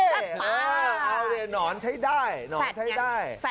เสร็จตาดิมเสร็จตาดินอนใช้ได้ค่ะ